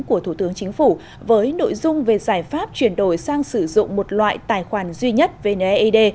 của thủ tướng chính phủ với nội dung về giải pháp chuyển đổi sang sử dụng một loại tài khoản duy nhất vnaid